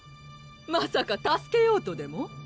まさか助けようとでも？